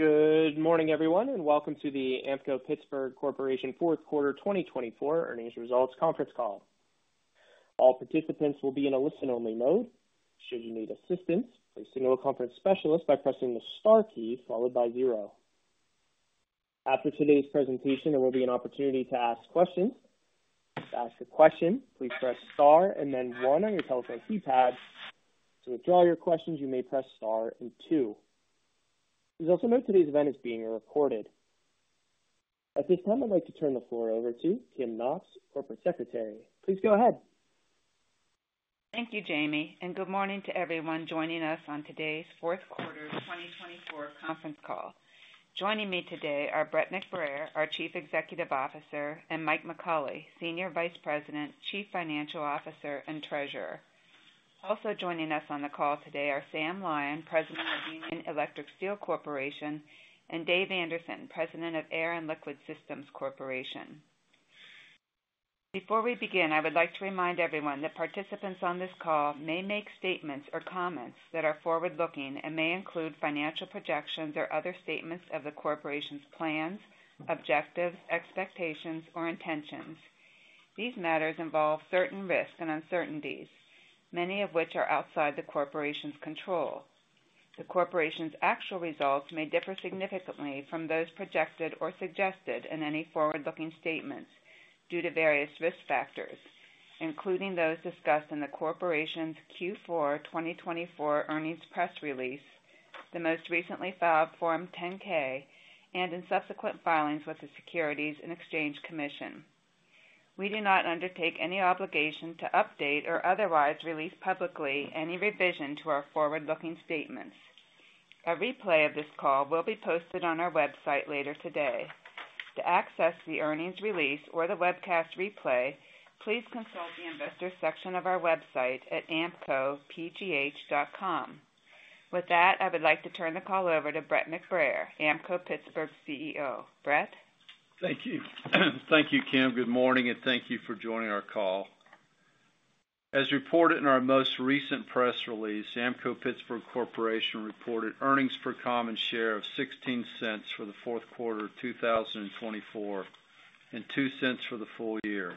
Good morning, everyone, and welcome to the Ampco-Pittsburgh Corporation Fourth Quarter 2024 Earnings Results Conference Call. All participants will be in a listen-only mode. Should you need assistance, please signal a conference specialist by pressing the star key followed by zero. After today's presentation, there will be an opportunity to ask questions. To ask a question, please press star and then one on your telephone keypad. To withdraw your questions, you may press star and two. Please also note today's event is being recorded. At this time, I'd like to turn the floor over to Kim Knox, Corporate Secretary. Please go ahead. Thank you, Jamie, and good morning to everyone joining us on today's Fourth Quarter 2024 Conference Call. Joining me today are Brett McBrayer, our Chief Executive Officer, and Mike McAuley, Senior Vice President, Chief Financial Officer, and Treasurer. Also joining us on the call today are Sam Lyon, President of Union Electric Steel Corporation, and Dave Anderson, President of Air and Liquid Systems Corporation. Before we begin, I would like to remind everyone that participants on this call may make statements or comments that are forward-looking and may include financial projections or other statements of the corporation's plans, objectives, expectations, or intentions. These matters involve certain risks and uncertainties, many of which are outside the corporation's control. The corporation's actual results may differ significantly from those projected or suggested in any forward-looking statements due to various risk factors, including those discussed in the corporation's Q4 2024 earnings press release, the most recently filed Form 10-K, and in subsequent filings with the Securities and Exchange Commission. We do not undertake any obligation to update or otherwise release publicly any revision to our forward-looking statements. A replay of this call will be posted on our website later today. To access the earnings release or the webcast replay, please consult the investor section of our website at ampcopgh.com. With that, I would like to turn the call over to Brett McBrayer, Ampco-Pittsburgh CEO. Brett. Thank you. Thank you, Kim. Good morning, and thank you for joining our call. As reported in our most recent press release, Ampco-Pittsburgh Corporation reported earnings per common share of $0.16 for the fourth quarter of 2024 and $0.02 for the full year.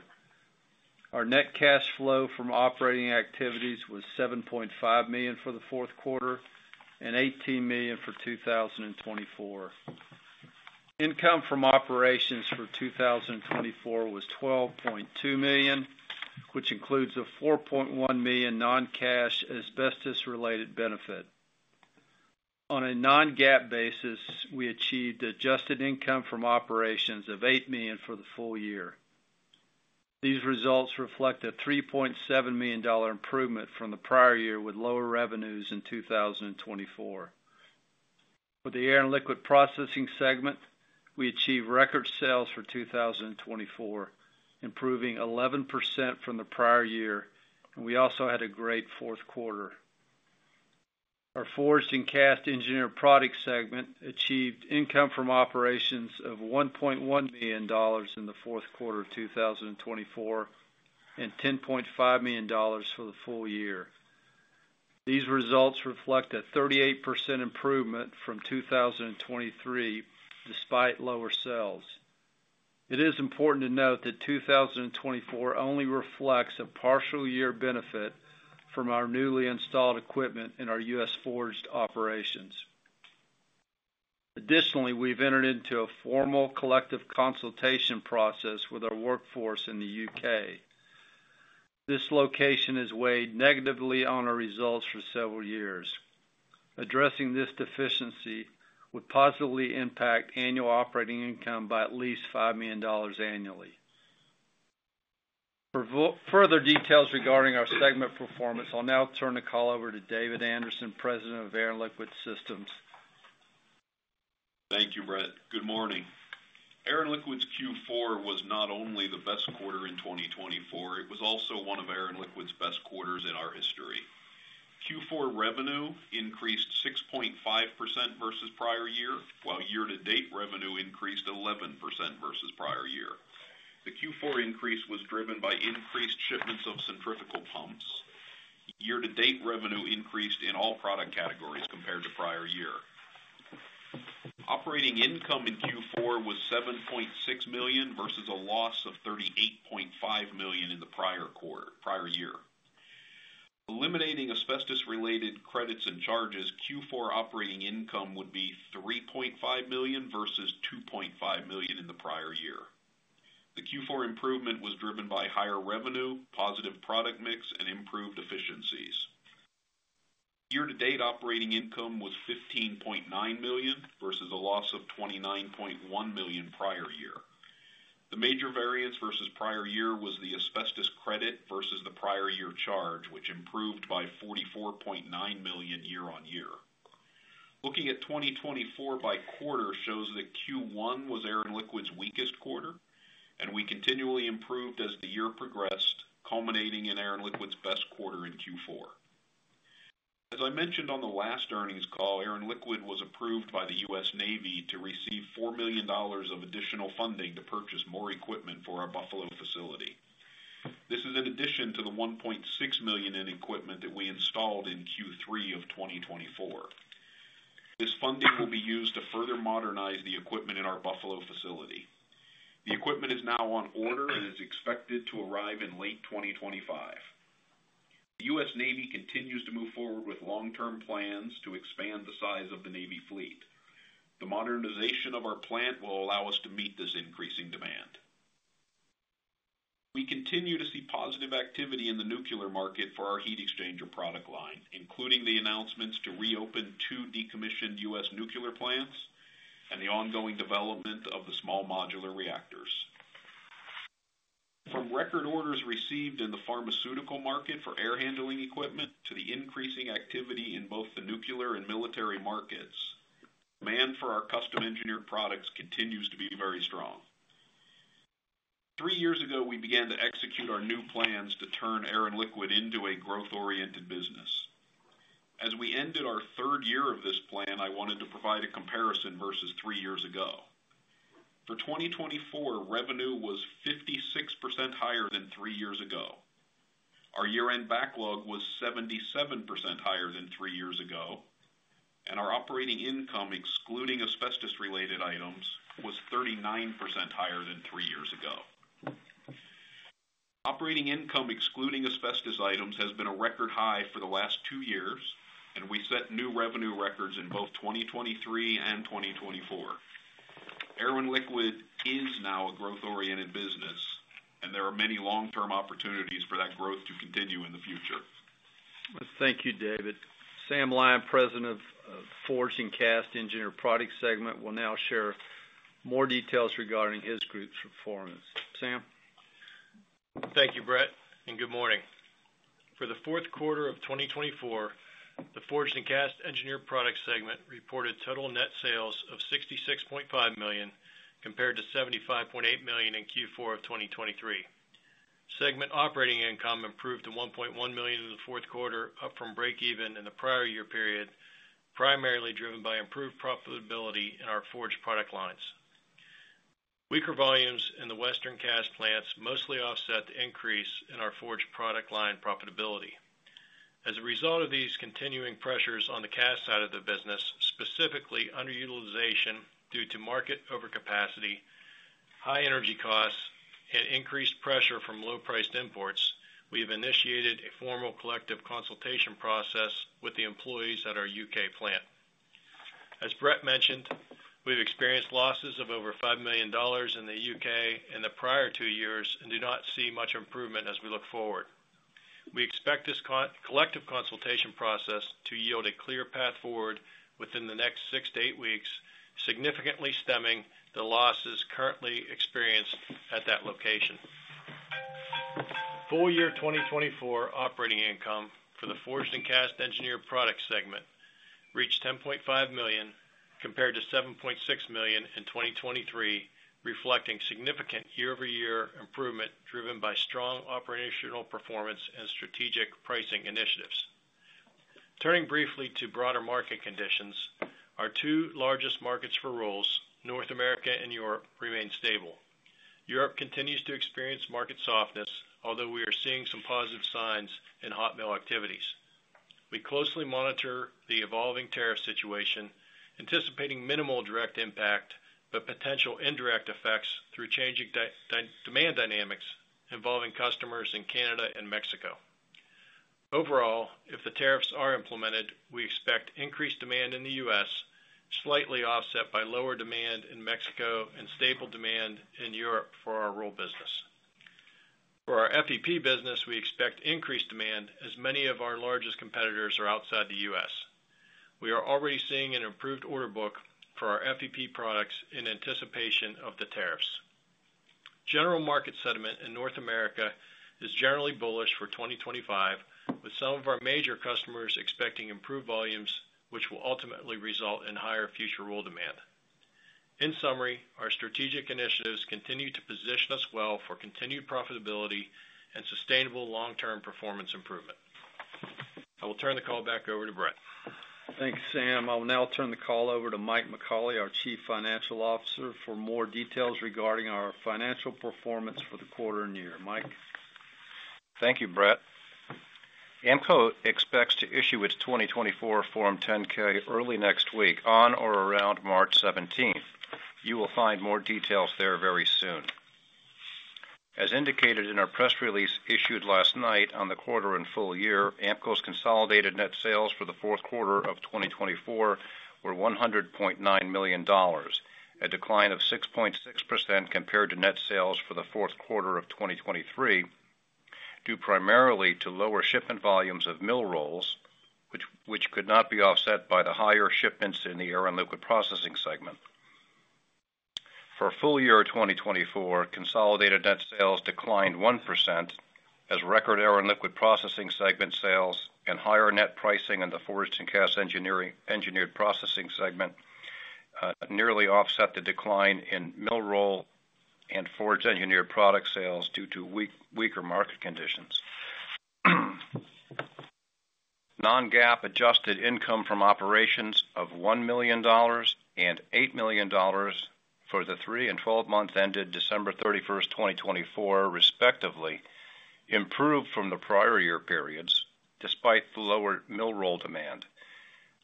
Our net cash flow from operating activities was $7.5 million for the fourth quarter and $18 million for 2024. Income from operations for 2024 was $12.2 million, which includes a $4.1 million non-cash asbestos-related benefit. On a non-GAAP basis, we achieved adjusted income from operations of $8 million for the full year. These results reflect a $3.7 million improvement from the prior year with lower revenues in 2024. For the Air and Liquid Processing segment, we achieved record sales for 2024, improving 11% from the prior year, and we also had a great fourth quarter. Our Forged and Cast Engineered Product segment achieved income from operations of $1.1 million in the fourth quarter of 2024 and $10.5 million for the full year. These results reflect a 38% improvement from 2023 despite lower sales. It is important to note that 2024 only reflects a partial year benefit from our newly installed equipment in our U.S. forged operations. Additionally, we've entered into a formal collective consultation process with our workforce in the U.K. This location has weighed negatively on our results for several years. Addressing this deficiency would positively impact annual operating income by at least $5 million annually. For further details regarding our segment performance, I'll now turn the call over to David Anderson, President of Air and Liquid Systems. Thank you, Brett. Good morning. Air and Liquid's Q4 was not only the best quarter in 2024, it was also one of Air and Liquid's best quarters in our history. Q4 revenue increased 6.5% versus prior year, while year-to-date revenue increased 11% versus prior year. The Q4 increase was driven by increased shipments of centrifugal pumps. Year-to-date revenue increased in all product categories compared to prior year. Operating income in Q4 was $7.6 million versus a loss of $38.5 million in the prior quarter, prior year. Eliminating asbestos-related credits and charges, Q4 operating income would be $3.5 million versus $2.5 million in the prior year. The Q4 improvement was driven by higher revenue, positive product mix, and improved efficiencies. Year-to-date operating income was $15.9 million versus a loss of $29.1 million prior year. The major variance versus prior year was the asbestos credit versus the prior year charge, which improved by $44.9 million year-on-year. Looking at 2024 by quarter shows that Q1 was Air and Liquid's weakest quarter, and we continually improved as the year progressed, culminating in Air and Liquid's best quarter in Q4. As I mentioned on the last earnings call, Air and Liquid was approved by the U.S. Navy to receive $4 million of additional funding to purchase more equipment for our Buffalo facility. This is in addition to the $1.6 million in equipment that we installed in Q3 of 2024. This funding will be used to further modernize the equipment in our Buffalo facility. The equipment is now on order and is expected to arrive in late 2025. The U.S. Navy continues to move forward with long-term plans to expand the size of the Navy fleet. The modernization of our plant will allow us to meet this increasing demand. We continue to see positive activity in the nuclear market for our heat exchanger product line, including the announcements to reopen two decommissioned U.S. nuclear plants and the ongoing development of the small modular reactors. From record orders received in the pharmaceutical market for air handling equipment to the increasing activity in both the nuclear and military markets, demand for our custom-engineered products continues to be very strong. Three years ago, we began to execute our new plans to turn Air & Liquid into a growth-oriented business. As we ended our third year of this plan, I wanted to provide a comparison versus three years ago. For 2024, revenue was 56% higher than three years ago. Our year-end backlog was 77% higher than three years ago, and our operating income, excluding asbestos-related items, was 39% higher than three years ago. Operating income, excluding asbestos items, has been a record high for the last two years, and we set new revenue records in both 2023 and 2024. Air and Liquid is now a growth-oriented business, and there are many long-term opportunities for that growth to continue in the future. Thank you, David. Sam Lyon, President of Forged and Cast Engineered Product segment, will now share more details regarding his group's performance. Sam. Thank you, Brett, and good morning. For the fourth quarter of 2024, the Forged and Cast Engineered Product segment reported total net sales of $66.5 million compared to $75.8 million in Q4 of 2023. Segment operating income improved to $1.1 million in the fourth quarter, up from break-even in the prior year period, primarily driven by improved profitability in our forged product lines. Weaker volumes in the western cast plants mostly offset the increase in our forged product line profitability. As a result of these continuing pressures on the cast side of the business, specifically underutilization due to market overcapacity, high energy costs, and increased pressure from low-priced imports, we have initiated a formal collective consultation process with the employees at our U.K. plant. As Brett mentioned, we've experienced losses of over $5 million in the U.K. in the prior two years and do not see much improvement as we look forward. We expect this collective consultation process to yield a clear path forward within the next six to eight weeks, significantly stemming the losses currently experienced at that location. Full year 2024 operating income for the Forged and Cast Engineered Product segment reached $10.5 million compared to $7.6 million in 2023, reflecting significant year-over-year improvement driven by strong operational performance and strategic pricing initiatives. Turning briefly to broader market conditions, our two largest markets for rolls, North America and Europe, remain stable. Europe continues to experience market softness, although we are seeing some positive signs in hot strip mill activities. We closely monitor the evolving tariff situation, anticipating minimal direct impact but potential indirect effects through changing demand dynamics involving customers in Canada and Mexico. Overall, if the tariffs are implemented, we expect increased demand in the U.S., slightly offset by lower demand in Mexico and stable demand in Europe for our roll business. For our FEP business, we expect increased demand as many of our largest competitors are outside the U.S. We are already seeing an improved order book for our FEP products in anticipation of the tariffs. General market sentiment in North America is generally bullish for 2025, with some of our major customers expecting improved volumes, which will ultimately result in higher future roll demand. In summary, our strategic initiatives continue to position us well for continued profitability and sustainable long-term performance improvement. I will turn the call back over to Brett. Thanks, Sam. I will now turn the call over to Mike McAuley, our Chief Financial Officer, for more details regarding our financial performance for the quarter and year. Mike. Thank you, Brett. Ampco expects to issue its 2024 Form 10-K early next week on or around March 17th. You will find more details there very soon. As indicated in our press release issued last night on the quarter and full year, Ampco's consolidated net sales for the fourth quarter of 2024 were $100.9 million, a decline of 6.6% compared to net sales for the fourth quarter of 2023, due primarily to lower shipment volumes of mill rolls, which could not be offset by the higher shipments in the Air and Liquid processing segment. For full year 2024, consolidated net sales declined 1%, as record Air and Liquid processing segment sales and higher net pricing in the Forged and Cast Engineered Product segment nearly offset the decline in mill roll and forged engineered product sales due to weaker market conditions. Non-GAAP adjusted income from operations of $1 million and $8 million for the three and 12 months ended December 31, 2024, respectively, improved from the prior year periods despite the lower mill roll demand.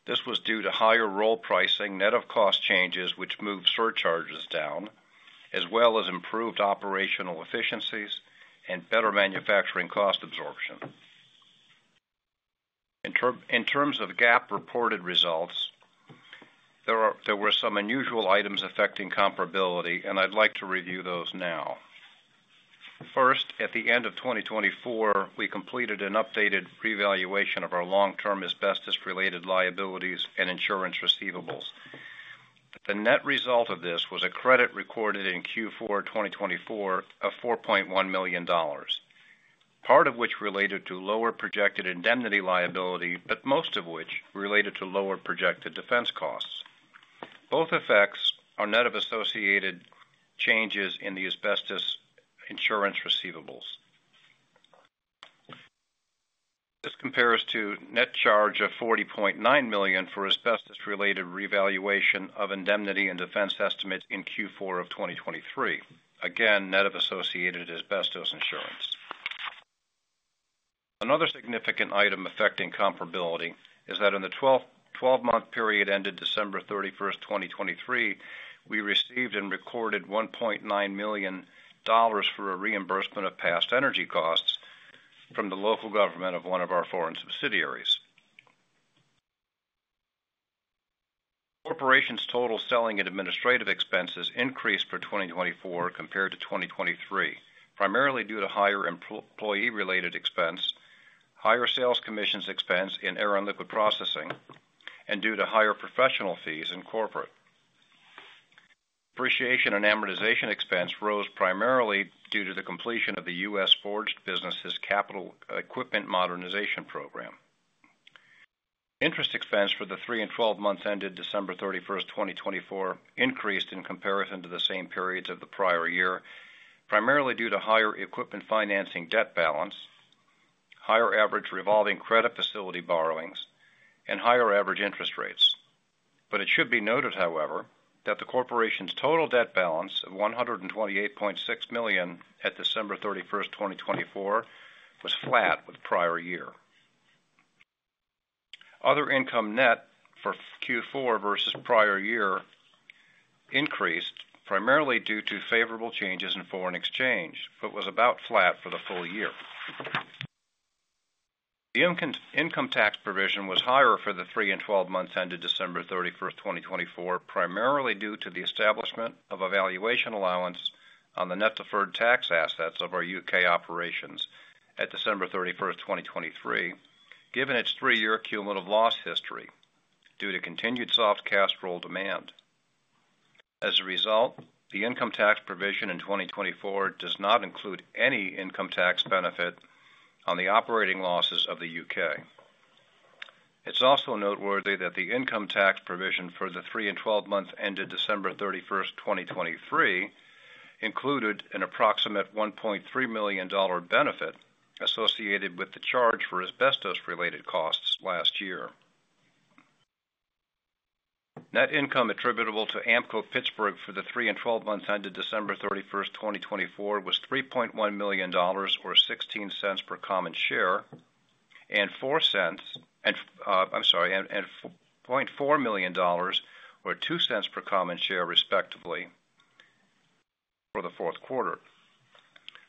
This was due to higher roll pricing, net of cost changes, which moved surcharges down, as well as improved operational efficiencies and better manufacturing cost absorption. In terms of GAAP reported results, there were some unusual items affecting comparability, and I'd like to review those now. First, at the end of 2024, we completed an updated revaluation of our long-term asbestos-related liabilities and insurance receivables. The net result of this was a credit recorded in Q4 2024 of $4.1 million, part of which related to lower projected indemnity liability, but most of which related to lower projected defense costs. Both effects are net of associated changes in the asbestos insurance receivables. This compares to a net charge of $40.9 million for asbestos-related revaluation of indemnity and defense estimates in Q4 of 2023, again, net of associated asbestos insurance. Another significant item affecting comparability is that in the 12-month period ended December 31, 2023, we received and recorded $1.9 million for a reimbursement of past energy costs from the local government of one of our foreign subsidiaries. The corporation's total selling and administrative expenses increased for 2024 compared to 2023, primarily due to higher employee-related expense, higher sales commissions expense in air and liquid processing, and due to higher professional fees in corporate. Depreciation and amortization expense rose primarily due to the completion of the U.S. forged business's capital equipment modernization program. Interest expense for the three and 12 months ended December 31, 2024, increased in comparison to the same periods of the prior year, primarily due to higher equipment financing debt balance, higher average revolving credit facility borrowings, and higher average interest rates. It should be noted, however, that the corporation's total debt balance of $128.6 million at December 31, 2024, was flat with prior year. Other income net for Q4 versus prior year increased primarily due to favorable changes in foreign exchange, but was about flat for the full year. The income tax provision was higher for the three and 12 months ended December 31, 2024, primarily due to the establishment of a valuation allowance on the net deferred tax assets of our U.K. operations at December 31, 2023, given its three-year cumulative loss history due to continued soft cast roll demand. As a result, the income tax provision in 2024 does not include any income tax benefit on the operating losses of the U.K. It's also noteworthy that the income tax provision for the three and 12 months ended December 31, 2023, included an approximate $1.3 million benefit associated with the charge for asbestos-related costs last year. Net income attributable to Ampco-Pittsburgh for the three and 12 months ended December 31, 2024, was $3.1 million or $0.16 per common share, and $4.04 million or $0.02 per common share, respectively, for the fourth quarter.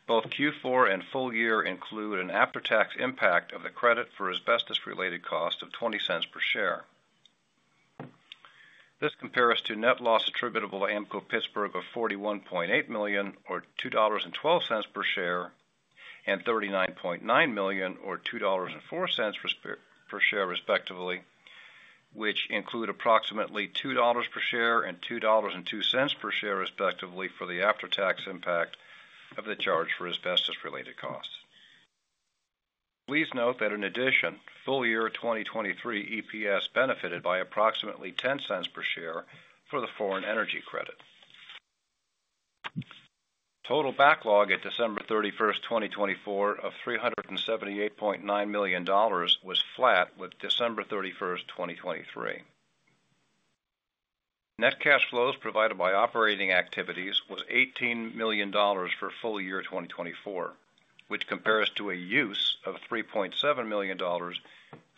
Both Q4 and full year include an after-tax impact of the credit for asbestos-related cost of $0.20 per share. This compares to net loss attributable to Ampco-Pittsburgh of $41.8 million or $2.12 per share, and $39.9 million or $2.04 per share, respectively, which include approximately $2 per share and $2.02 per share, respectively, for the after-tax impact of the charge for asbestos-related costs. Please note that in addition, full year 2023 EPS benefited by approximately $0.10 per share for the foreign energy credit. Total backlog at December 31, 2024, of $378.9 million was flat with December 31, 2023. Net cash flows provided by operating activities was $18 million for full year 2024, which compares to a use of $3.7 million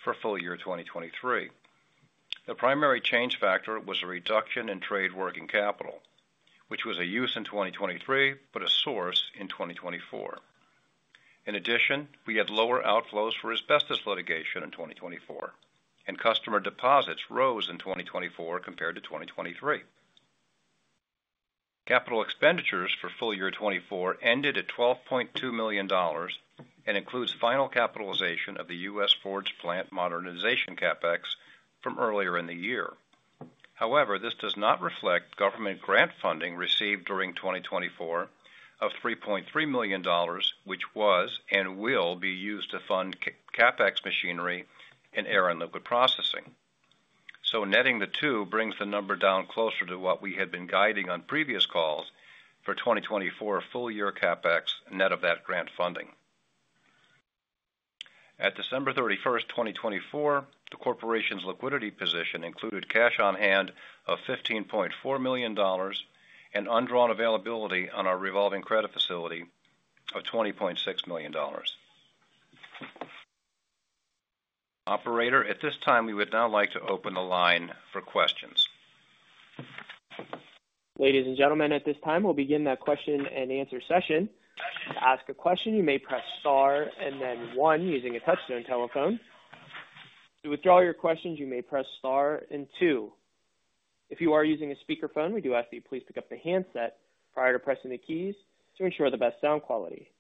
for full year 2023. The primary change factor was a reduction in trade working capital, which was a use in 2023 but a source in 2024. In addition, we had lower outflows for asbestos litigation in 2024, and customer deposits rose in 2024 compared to 2023. Capital expenditures for full year 2024 ended at $12.2 million and includes final capitalization of the U.S. forged plant modernization CapEx from earlier in the year. However, this does not reflect government grant funding received during 2024 of $3.3 million, which was and will be used to fund CapEx machinery in air and liquid processing. Netting the two brings the number down closer to what we had been guiding on previous calls for 2024 full year CapEx net of that grant funding. At December 31, 2024, the corporation's liquidity position included cash on hand of $15.4 million and undrawn availability on our revolving credit facility of $20.6 million. Operator, at this time, we would now like to open the line for questions. Ladies and gentlemen, at this time, we'll begin that question and answer session. To ask a question, you may press star and then one using a touch-tone telephone. To withdraw your questions, you may press star and two. If you are using a speakerphone, we do ask that you please pick up the handset prior to pressing the keys to ensure the best sound quality.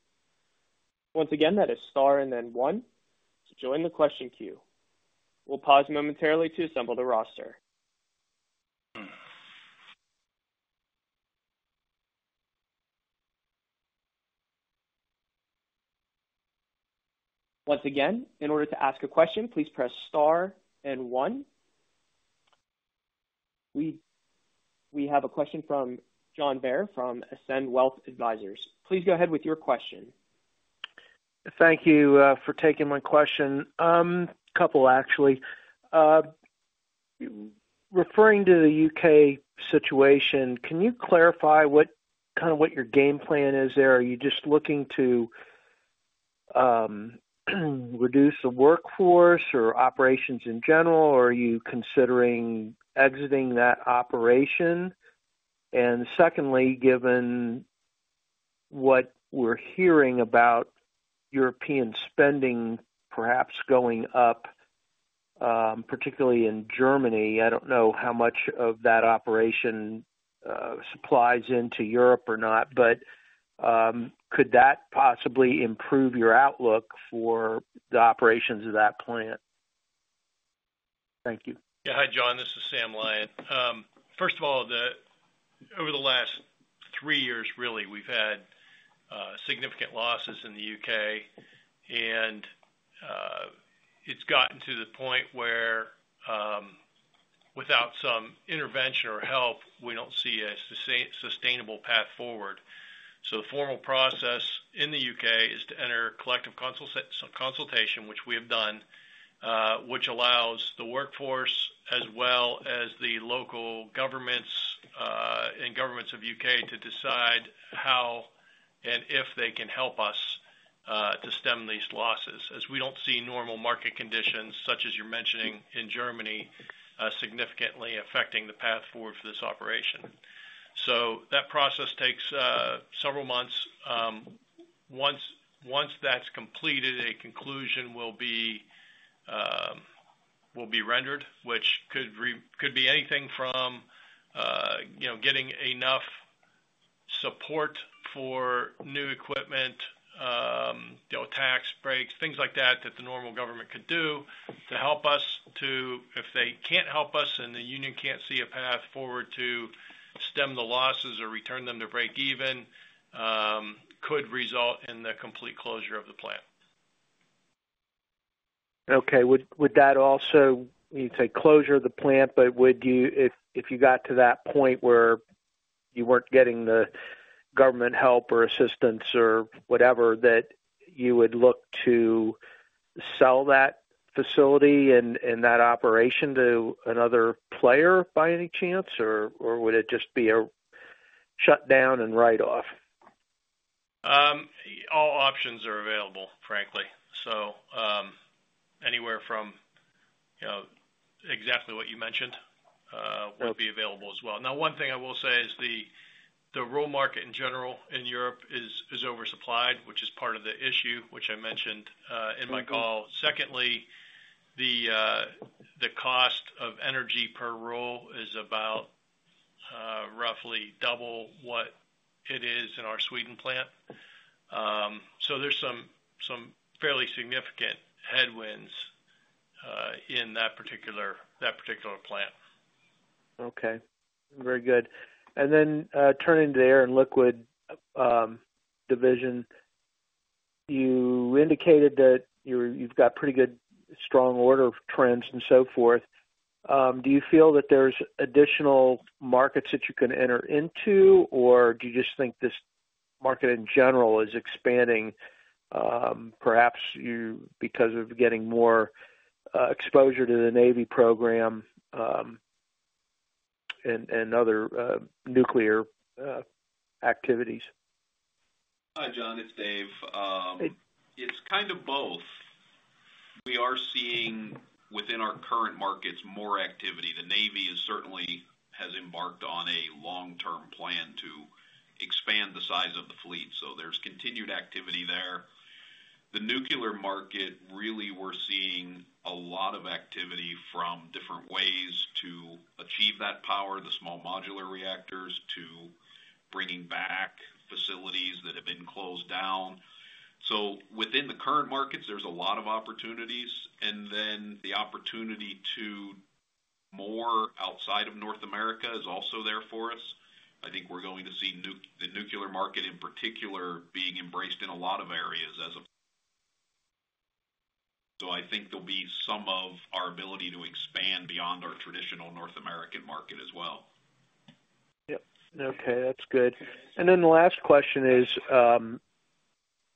Once again, that is star and then one. Join the question queue. We'll pause momentarily to assemble the roster. Once again, in order to ask a question, please press star and one. We have a question from John Bair from Ascend Wealth Advisors. Please go ahead with your question. Thank you for taking my question. A couple, actually. Referring to the U.K. situation, can you clarify kind of what your game plan is there? Are you just looking to reduce the workforce or operations in general, or are you considering exiting that operation? Secondly, given what we're hearing about European spending perhaps going up, particularly in Germany, I don't know how much of that operation supplies into Europe or not, but could that possibly improve your outlook for the operations of that plant? Thank you. Yeah. Hi, John. This is Sam Lyon. First of all, over the last three years, really, we've had significant losses in the U.K., and it's gotten to the point where without some intervention or help, we don't see a sustainable path forward. The formal process in the U.K. is to enter collective consultation, which we have done, which allows the workforce as well as the local governments and governments of the U.K. to decide how and if they can help us to stem these losses, as we don't see normal market conditions, such as you're mentioning in Germany, significantly affecting the path forward for this operation. That process takes several months. Once that's completed, a conclusion will be rendered, which could be anything from getting enough support for new equipment, tax breaks, things like that that the normal government could do to help us to, if they can't help us and the union can't see a path forward to stem the losses or return them to break even, could result in the complete closure of the plant. Okay. Would that also, you'd say closure of the plant, but if you got to that point where you were not getting the government help or assistance or whatever, that you would look to sell that facility and that operation to another player by any chance, or would it just be a shutdown and write-off? All options are available, frankly. Anywhere from exactly what you mentioned will be available as well. One thing I will say is the roll market in general in Europe is oversupplied, which is part of the issue which I mentioned in my call. Secondly, the cost of energy per roll is about roughly double what it is in our Sweden plant. There are some fairly significant headwinds in that particular plant. Okay. Very good. Turning to the air and liquid division, you indicated that you've got pretty good strong order trends and so forth. Do you feel that there's additional markets that you can enter into, or do you just think this market in general is expanding, perhaps because of getting more exposure to the Navy program and other nuclear activities? Hi, John. It's Dave. It's kind of both. We are seeing within our current markets more activity. The Navy certainly has embarked on a long-term plan to expand the size of the fleet, so there's continued activity there. The nuclear market, really, we're seeing a lot of activity from different ways to achieve that power, the small modular reactors to bringing back facilities that have been closed down. Within the current markets, there's a lot of opportunities. The opportunity to move outside of North America is also there for us. I think we're going to see the nuclear market in particular being embraced in a lot of areas as of. I think there'll be some of our ability to expand beyond our traditional North American market as well. Yep. Okay. That's good. The last question is,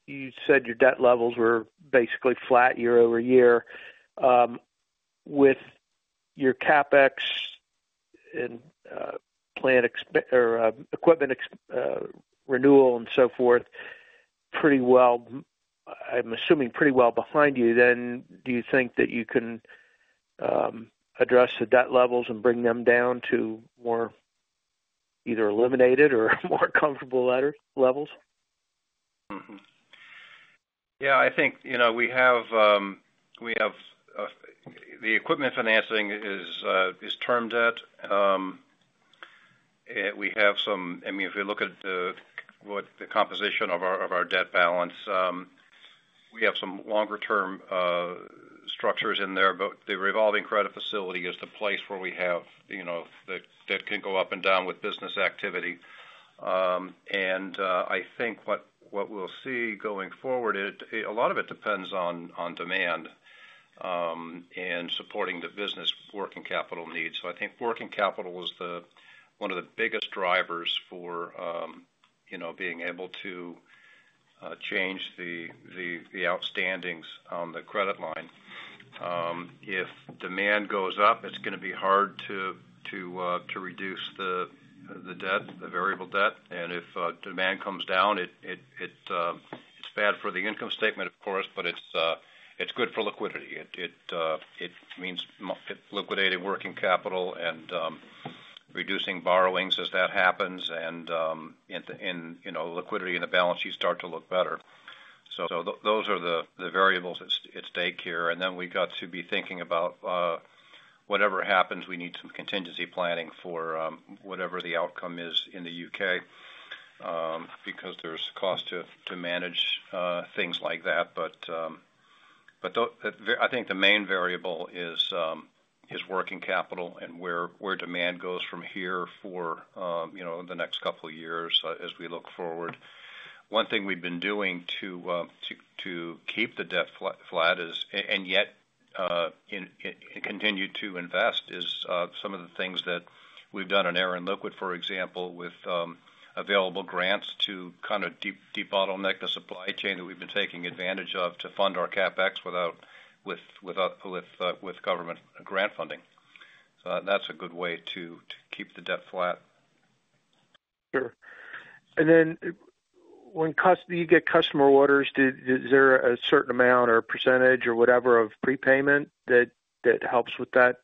you said your debt levels were basically flat year-over-year. With your CapEx and plant or equipment renewal and so forth, pretty well, I'm assuming pretty well behind you, do you think that you can address the debt levels and bring them down to more either eliminated or more comfortable levels? Yeah. I think we have the equipment financing is term debt. We have some, I mean, if you look at what the composition of our debt balance, we have some longer-term structures in there, but the revolving credit facility is the place where we have that can go up and down with business activity. I think what we'll see going forward, a lot of it depends on demand and supporting the business working capital needs. I think working capital is one of the biggest drivers for being able to change the outstandings on the credit line. If demand goes up, it's going to be hard to reduce the variable debt. If demand comes down, it's bad for the income statement, of course, but it's good for liquidity. It means liquidating working capital and reducing borrowings as that happens, and liquidity in the balance sheet starts to look better. Those are the variables at stake here. We have to be thinking about whatever happens, we need some contingency planning for whatever the outcome is in the U.K. because there's cost to manage things like that. I think the main variable is working capital and where demand goes from here for the next couple of years as we look forward. One thing we've been doing to keep the debt flat and yet continue to invest is some of the things that we've done in Air & Liquid, for example, with available grants to kind of de-bottleneck the supply chain that we've been taking advantage of to fund our CapEx with government grant funding. That's a good way to keep the debt flat. Sure. When you get customer orders, is there a certain amount or percentage or whatever of prepayment that helps with that,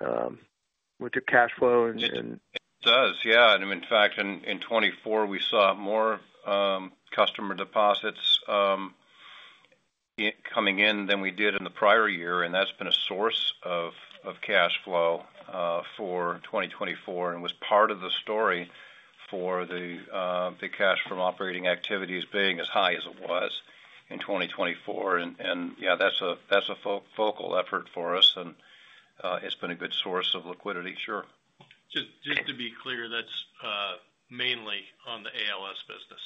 with your cash flow? It does. Yeah. In fact, in 2024, we saw more customer deposits coming in than we did in the prior year, and that's been a source of cash flow for 2024 and was part of the story for the cash from operating activities being as high as it was in 2024. Yeah, that's a focal effort for us, and it's been a good source of liquidity. Sure. Just to be clear, that's mainly on the ALS business,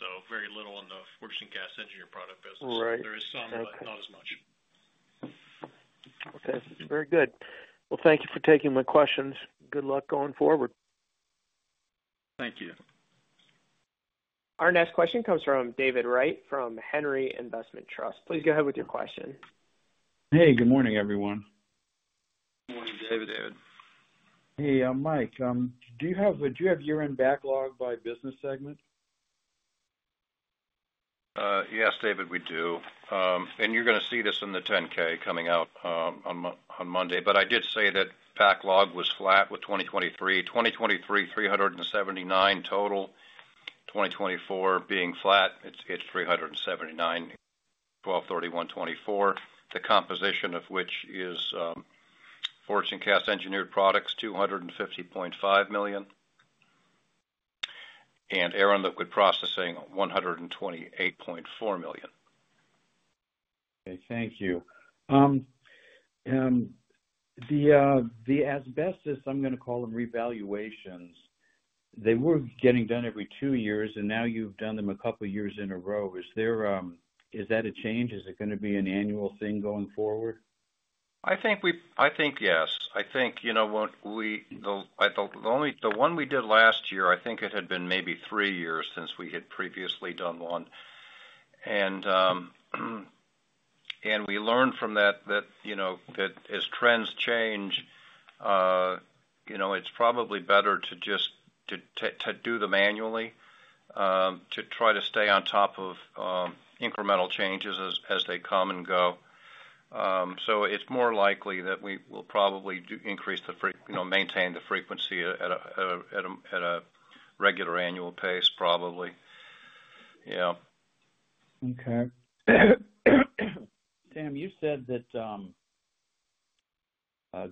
so very little on the Forged and Cast Engineered Product business. There is some, but not as much. Okay. Very good. Thank you for taking my questions. Good luck going forward. Thank you. Our next question comes from David Wright from Henry Investment Trust. Please go ahead with your question. Hey, good morning, everyone. Good morning, David. Hey, Mike. Do you have year-end backlog by business segment? Yes, David, we do. You are going to see this in the 10-K coming out on Monday. I did say that backlog was flat with 2023. 2023, $379 million total. 2024 being flat, it is $379 million. December 31, 2024, the composition of which is forged and cast engineered products, $250.5 million, and air and liquid processing, $128.4 million. Okay. Thank you. The asbestos, I'm going to call them revaluations, they were getting done every two years, and now you've done them a couple of years in a row. Is that a change? Is it going to be an annual thing going forward? I think yes. I think the one we did last year, I think it had been maybe three years since we had previously done one. We learned from that that as trends change, it's probably better to do them annually to try to stay on top of incremental changes as they come and go. It is more likely that we will probably maintain the frequency at a regular annual pace, probably. Yeah. Okay. Sam, you said that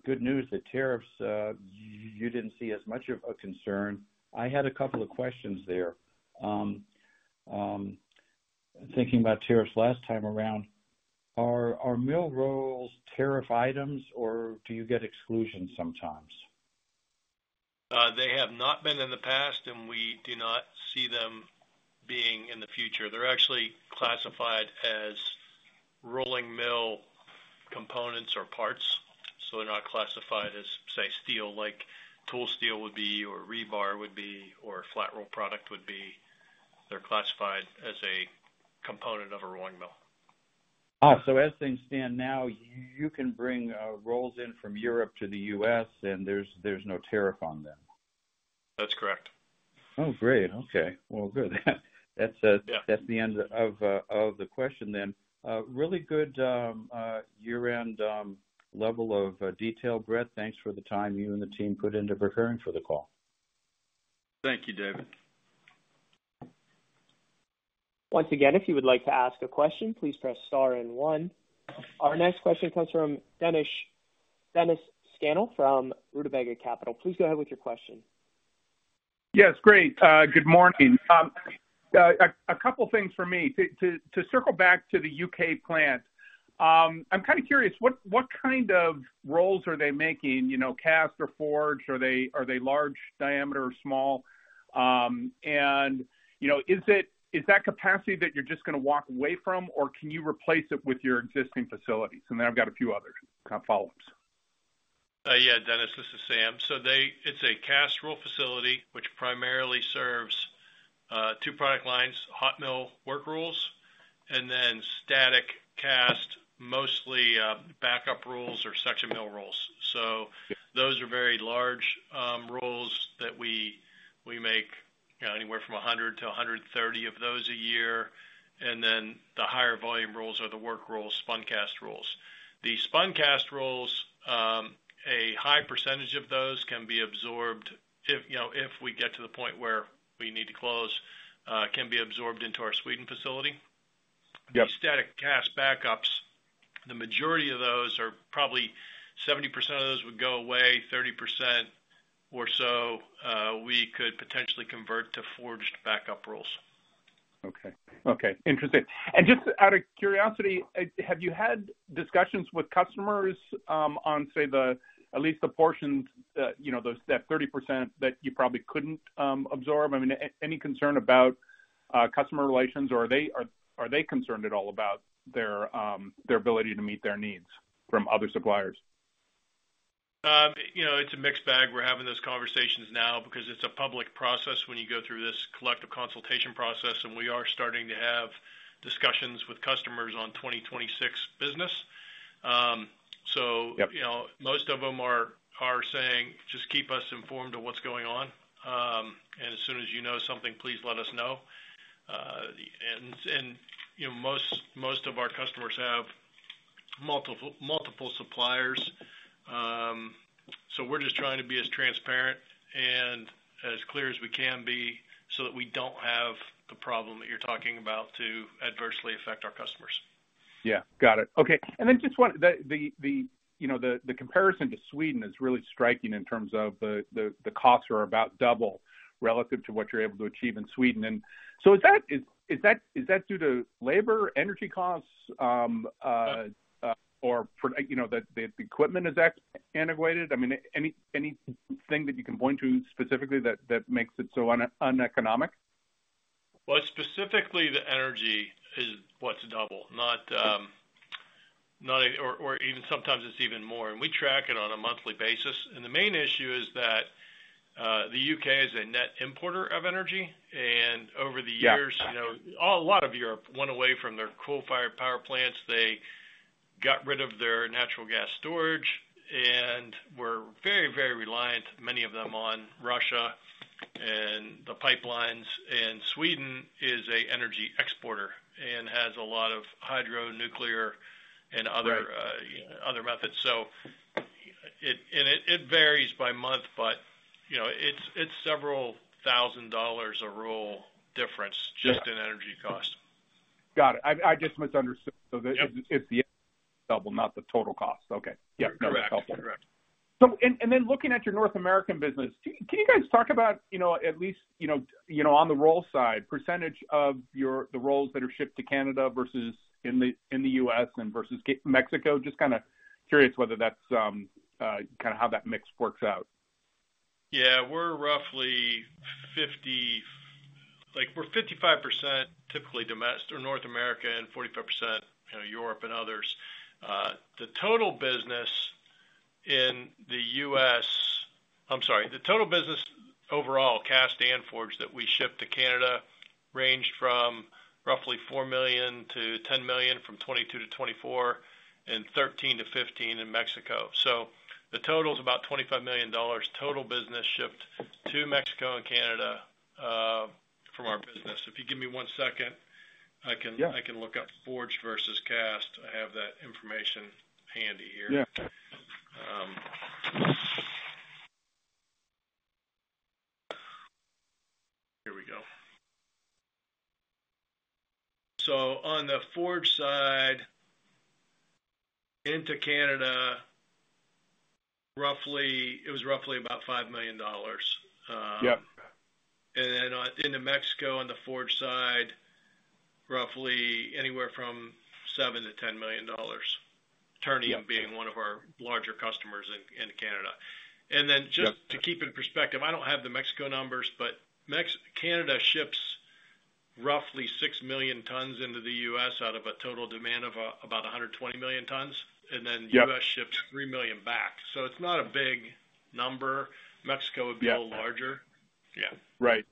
good news, the tariffs, you did not see as much of a concern. I had a couple of questions there. Thinking about tariffs last time around, are mill rolls tariff items, or do you get exclusions sometimes? They have not been in the past, and we do not see them being in the future. They're actually classified as rolling mill components or parts. They're not classified as, say, steel like tool steel would be or rebar would be or flat roll product would be. They're classified as a component of a rolling mill. As things stand now, you can bring rolls in from Europe to the U.S., and there's no tariff on them? That's correct. Oh, great. Okay. Good. That's the end of the question then. Really good year-end level of detail, Brett. Thanks for the time you and the team put into preparing for the call. Thank you, David. Once again, if you would like to ask a question, please press star and one. Our next question comes from Dennis Scannell from Rutabaga Capital. Please go ahead with your question. Yes. Great. Good morning. A couple of things for me. To circle back to the U.K. plant, I'm kind of curious, what kind of rolls are they making? Cast or forged? Are they large diameter or small? Is that capacity that you're just going to walk away from, or can you replace it with your existing facilities? I have a few other kind of follow-ups. Yeah, Dennis, this is Sam. It is a cast roll facility, which primarily serves two product lines, hot mill work rolls, and then static cast, mostly backup rolls or section mill rolls. Those are very large rolls that we make anywhere from 100-130 of those a year. The higher volume rolls are the work rolls, spun cast rolls. The spun cast rolls, a high percentage of those can be absorbed if we get to the point where we need to close, can be absorbed into our Sweden facility. The static cast backups, the majority of those are probably 70% of those would go away, 30% or so we could potentially convert to forged backup rolls. Okay. Okay. Interesting. Just out of curiosity, have you had discussions with customers on, say, at least the portions, that 30% that you probably could not absorb? I mean, any concern about customer relations, or are they concerned at all about their ability to meet their needs from other suppliers? It's a mixed bag. We're having those conversations now because it's a public process when you go through this collective consultation process, and we are starting to have discussions with customers on 2026 business. Most of them are saying, "Just keep us informed of what's going on. And as soon as you know something, please let us know." Most of our customers have multiple suppliers. We're just trying to be as transparent and as clear as we can be so that we don't have the problem that you're talking about to adversely affect our customers. Yeah. Got it. Okay. I just wanted the comparison to Sweden is really striking in terms of the costs are about double relative to what you're able to achieve in Sweden. Is that due to labor, energy costs, or that the equipment is antiquated? I mean, anything that you can point to specifically that makes it so uneconomic? Specifically, the energy is what's double, or even sometimes it's even more. We track it on a monthly basis. The main issue is that the U.K. is a net importer of energy. Over the years, a lot of Europe went away from their coal-fired power plants. They got rid of their natural gas storage and were very, very reliant, many of them, on Russia and the pipelines. Sweden is an energy exporter and has a lot of hydro, nuclear, and other methods. It varies by month, but it's several thousand dollars a roll difference just in energy cost. Got it. I just misunderstood. It is the double, not the total cost. Okay. Yeah. Got it. Helpful. Correct. Correct. Looking at your North American business, can you guys talk about at least on the roll side, percentage of the rolls that are shipped to Canada versus in the U.S. and versus Mexico? Just kind of curious whether that's kind of how that mix works out. Yeah. We're roughly 55% typically domestic or North America and 45% Europe and others. The total business in the U.S.—I'm sorry. The total business overall, cast and forged that we ship to Canada ranged from roughly $4 million-$10 million, from 2022-2024, and $13 million-$15 million in Mexico. The total is about $25 million total business shipped to Mexico and Canada from our business. If you give me one second, I can look up forged versus cast. I have that information handy here. Here we go. On the forged side into Canada, it was roughly about $5 million. Then into Mexico on the forged side, roughly anywhere from $7 million-$10 million, Ternium being one of our larger customers in Canada. Just to keep in perspective, I do not have the Mexico numbers, but Canada ships roughly 6 million tons into the U.S. out of a total demand of about 120 million tons. The U.S. ships 3 million back. It is not a big number. Mexico would be a little larger. Yeah. Right.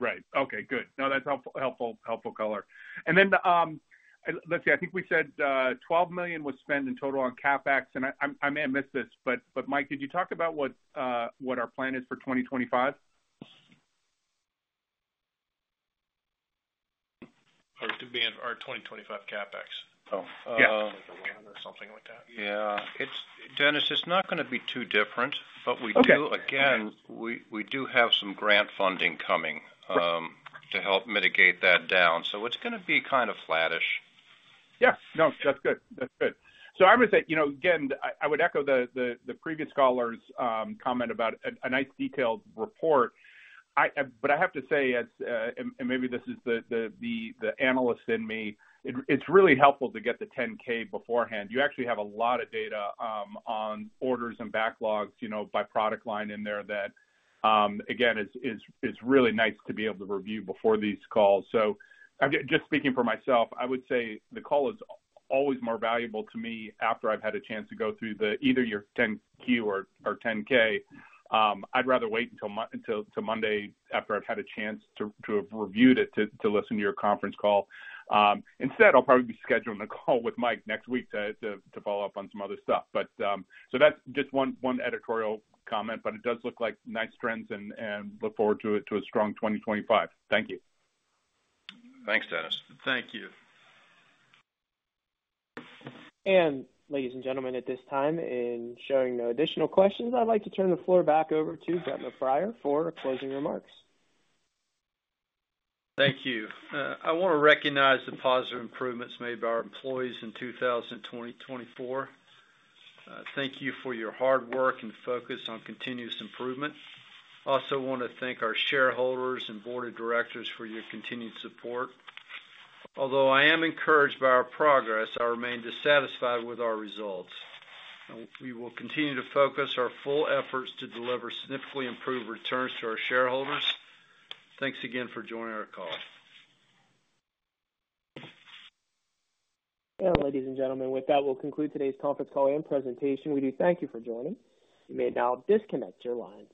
Right. Okay. Good. No, that's helpful color. I think we said $12 million was spent in total on CapEx. I may have missed this, but Mike, could you talk about what our plan is for 2025? It could be our 2025 CapEx. Oh, 11 or something like that. Yeah. Dennis, it's not going to be too different, but again, we do have some grant funding coming to help mitigate that down. It's going to be kind of flattish. Yeah. No, that's good. That's good. I would say, again, I would echo the previous caller's comment about a nice detailed report. I have to say, and maybe this is the analyst in me, it's really helpful to get the 10-K beforehand. You actually have a lot of data on orders and backlogs, by product line in there that, again, is really nice to be able to review before these calls. Just speaking for myself, I would say the call is always more valuable to me after I've had a chance to go through either your 10-K or 10-K. I'd rather wait until Monday after I've had a chance to have reviewed it to listen to your conference call. Instead, I'll probably be scheduling a call with Mike next week to follow up on some other stuff. That's just one editorial comment, but it does look like nice trends and look forward to a strong 2025. Thank you. Thanks, Dennis. Thank you. Ladies and gentlemen, at this time, in showing no additional questions, I'd like to turn the floor back over to Brett McBrayer for closing remarks. Thank you. I want to recognize the positive improvements made by our employees in 2024. Thank you for your hard work and focus on continuous improvement. I also want to thank our shareholders and board of directors for your continued support. Although I am encouraged by our progress, I remain dissatisfied with our results. We will continue to focus our full efforts to deliver significantly improved returns to our shareholders. Thanks again for joining our call. Ladies and gentlemen, with that, we'll conclude today's conference call and presentation. We do thank you for joining. You may now disconnect your lines.